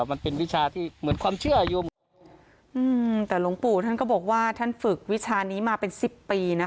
มันเป็นวิชาที่เหมือนความเชื่ออยู่อืมแต่หลวงปู่ท่านก็บอกว่าท่านฝึกวิชานี้มาเป็นสิบปีนะคะ